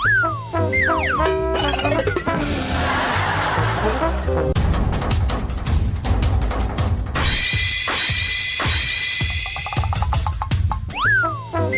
สวัสดีครับ